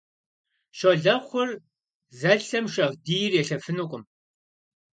Щолэхъур зэлъэм шагъдийр елъэфынукъым.